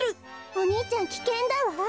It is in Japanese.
お兄ちゃんきけんだわ！